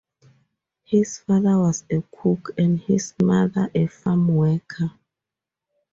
His father was a cook, and his mother a farm worker.